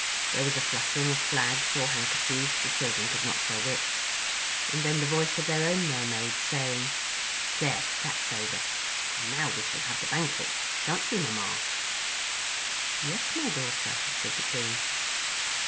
There was a fluttering of flags or handkerchiefs—the children could not tell which—and then the voice of their own Mermaid, saying: "There—that's over. And now we shall have the banquet. Shan't we, Mamma?" "Yes, my daughter," said the Queen.